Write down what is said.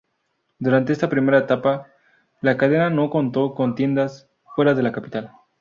Durante esta primera etapa, la cadena no contó con tiendas fuera de la capital.